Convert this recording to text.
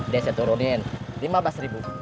deh saya turunin rp lima apa rp satu